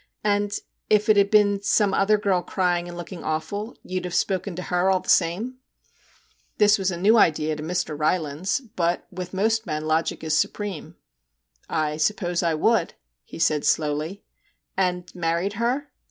' And if it had been some other girl crying and looking awful, you 'd have spoken to her all the same ?' This was a new idea to Mr. Rylands, but MR. JACK HAMLIN'S MEDIATION 45 with most men logic is supreme. ' I suppose I would,' he said slowly. 'And married her?'